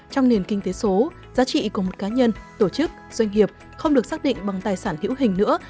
trong nền kinh tế số giá trị của một cá nhân tổ chức doanh nghiệp không được xác định bằng tài sản hữu hình nữa